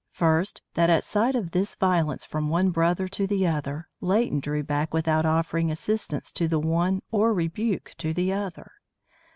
First, that at sight of this violence from one brother to the other, Leighton drew back without offering assistance to the one or rebuke to the other.